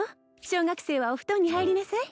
小学生はお布団に入りなさい